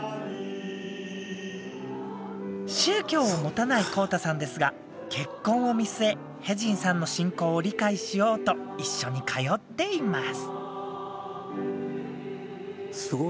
宗教を持たないこうたさんですが結婚を見据えヘジンさんの信仰を理解しようと一緒に通っています。